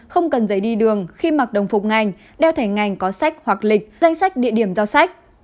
không cần giấy đi đường khi mặc đồng phục ngành đeo thành ngành có sách hoặc lịch danh sách địa điểm giao sách